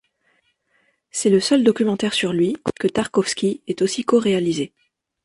C'est le seul documentaire sur lui que Tarkovski ait aussi coréalisé.